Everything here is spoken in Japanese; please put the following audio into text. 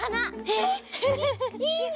えっいいの？